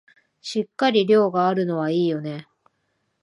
しっかり量があるのはいいよね